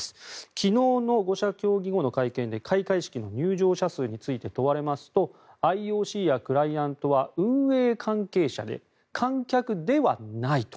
昨日の５者協議後の会見で開会式の入場者数について問われますとＩＯＣやクライアントは運営関係者で観客ではないと。